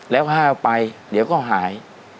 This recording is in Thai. แล้วถ้าเอาไปเดี๋ยวก็หาย